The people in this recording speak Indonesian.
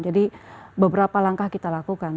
jadi beberapa langkah kita lakukan